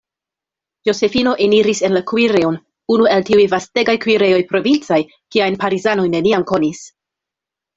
Josefino eniris en la kuirejon, unu el tiuj vastegaj kuirejoj provincaj, kiajn Parizanoj neniam konis.